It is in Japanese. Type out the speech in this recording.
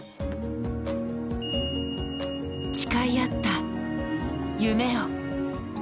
誓い合った夢を。